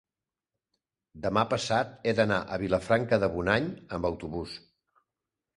Demà passat he d'anar a Vilafranca de Bonany amb autobús.